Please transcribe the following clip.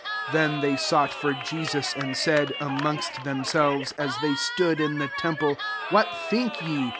56 Then they sought for Jesus, and sai4 anM>iigst themselves, as they stood in the temple, "What think ye